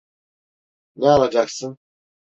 Ne alacaksın?